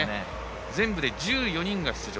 全部で１４人が出場。